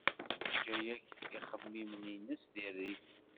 Teǧǧa akk ixemmimen-ines di rrif.